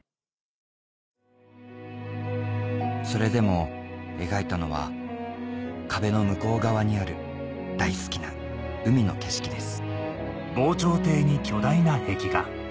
それでも描いたのは壁の向こう側にある大好きな海の景色です